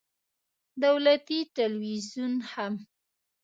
دولتي ټلویزیون هم